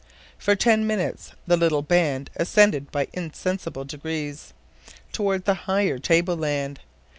For ten minutes, the little band ascended by insensible degrees toward the higher table land.